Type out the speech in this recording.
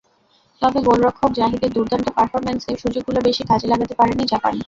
তবে গোলরক্ষক জাহিদের দুর্দান্ত পারফরম্যান্সে সুযোগগুলো বেশি কাজে লাগাতে পারেনি জাপান।